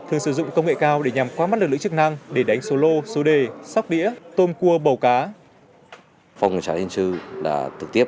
thường sử dụng công nghệ cao để nhằm qua mắt lực lượng chức năng để đánh số lô số đề sóc đĩa tôm cua bầu cá